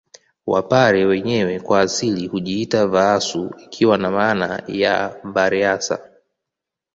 Wapare wenyewe kwa asili hujiita Vaasu ikiwa na maana ya vareasa